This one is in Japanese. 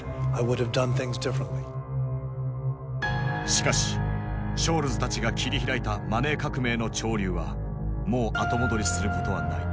しかしショールズたちが切り開いたマネー革命の潮流はもう後戻りすることはない。